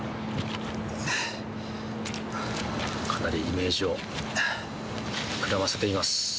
かなりイメージを膨らませています。